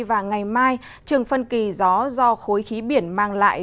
và ngày mai trường phân kỳ gió do khối khí biển mang lại